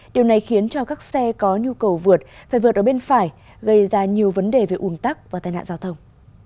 điều này khiến cho các xe có nhu cầu vượt phải vượt ở bên phải gây ra nhiều vấn đề về un tắc và tai nạn giao thông